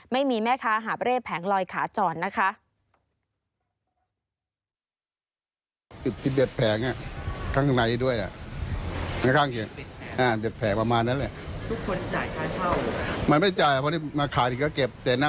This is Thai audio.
ไม่มีแม่ค้าหาบเร่แผงลอยขาจรนะคะ